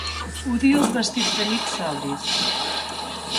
Odio els vestits de nit sobris.